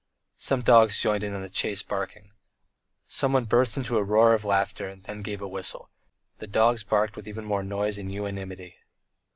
Some dogs joined in the chase barking. Someone burst into a roar of laughter, then gave a whistle; the dogs barked with even more noise and unanimity.